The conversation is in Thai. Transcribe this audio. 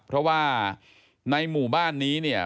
เพราะว่าในหมู่บ้านนี้เนี่ย